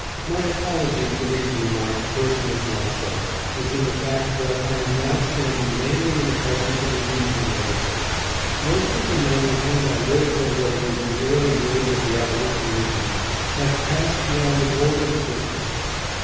My apology for these remarks personal to myself is in the fact that I am now standing mainly in the presence of a new generation. Most of the 602 THE FIRST BRIGHT STAR. men with whom I lived and labored in the early years of the abolition movement, have passed beyond the borders of this life.